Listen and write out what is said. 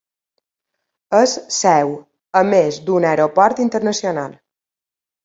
És seu, a més, d'un aeroport internacional.